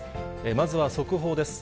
まずは速報です。